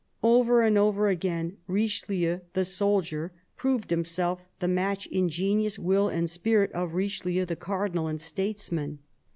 Over and over again Richelieu the soldier proved himself the match in genius, will, and spirit of Richelieu the cardinal and statesman.